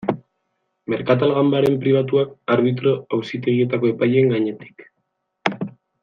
Merkatal ganbaren pribatuak arbitro auzitegietako epaileen gainetik.